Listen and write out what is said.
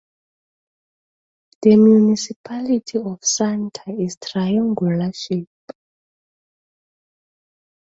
The municipality of Santa is triangular shape.